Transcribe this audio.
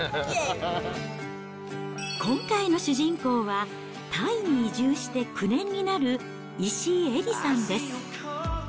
今回の主人公は、タイに移住して９年になる石井エリさんです。